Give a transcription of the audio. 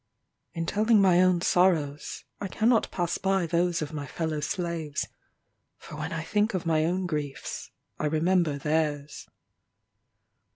In telling my own sorrows, I cannot pass by those of my fellow slaves for when I think of my own griefs, I remember theirs.